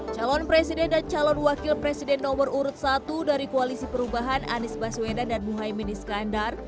calon presiden dan calon wakil presiden nomor urut satu dari koalisi perubahan anies baswedan dan muhaymin iskandar